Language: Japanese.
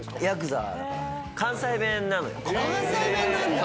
関西弁なんだ。